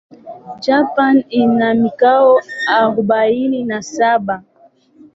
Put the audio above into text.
Japan ina mikoa arubaini na saba.